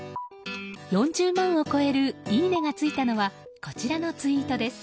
４０万を超えるいいね！がついたのはこちらのツイートです。